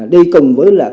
đi cùng với là